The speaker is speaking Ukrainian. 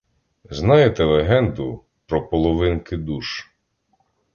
Знаєте легенду про половинки душ?